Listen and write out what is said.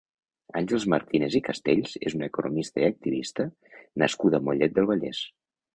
Àngels Martínez i Castells és una economista i activista nascuda a Mollet del Vallès.